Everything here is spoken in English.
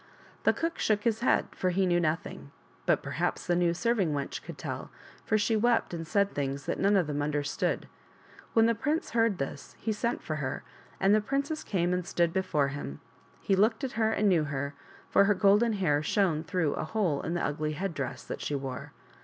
The cook shook his head, for he knew nothing, but perhaps the new serving wench could tell, for she wept and said things that none of them understood. When the prince heard this he sent for her, and the princess came and stood before him. He looked at her and knew her, for her golden hair shone through a hole in the ugly head dress that she wore.